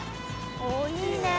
おいいねえ。